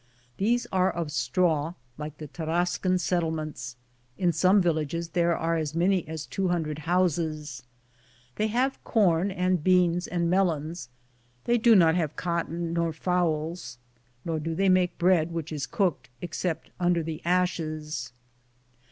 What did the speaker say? These are of straw, like the Taraacan settlements; in some villages there are as many as 200 houses; they have corn and beans and melons ; they do not have cotton nor fowls, nor do they make bread which is cooked, except under the ashes.